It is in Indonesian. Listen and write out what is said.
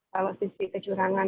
kalau sisi kecurangan